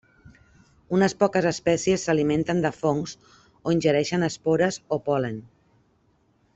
Unes poques espècies s'alimenten de fongs o ingereixen espores o pol·len.